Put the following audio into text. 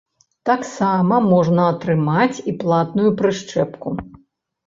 Таксама можна атрымаць і платную прышчэпку.